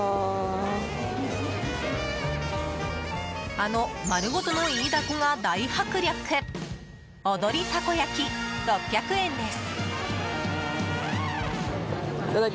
あの丸ごとのイイダコが大迫力踊りたこ焼き、６００円です。